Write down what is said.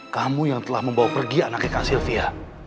kamu yang telah membawa pergi anaknya kak sylvia